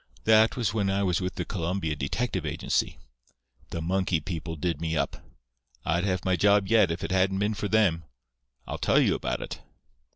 That was when I was with the Columbia Detective Agency. The monkey people did me up. I'd have my job yet if it hadn't been for them. I'll tell you about it.